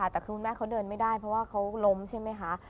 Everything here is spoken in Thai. แต่คือคุณแม่เขาเดินไม่ได้เพราะว่าเขาล้มใช่ไหมคะ